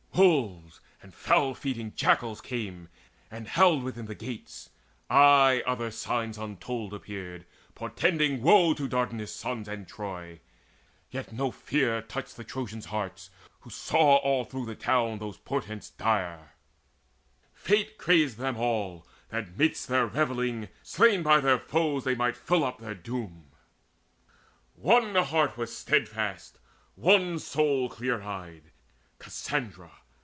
Wolves and foul feeding jackals came and howled Within the gates. Ay, other signs untold Appeared, portending woe to Dardanus' sons And Troy: yet no fear touched the Trojans' hearts Who saw all through the town those portents dire: Fate crazed them all, that midst their revelling Slain by their foes they might fill up their doom. One heart was steadfast, and one soul clear eyed, Cassandra.